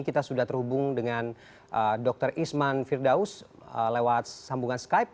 kita sudah terhubung dengan dr isman firdaus lewat sambungan skype